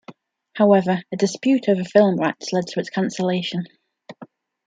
However, a dispute over film rights led to its cancellation.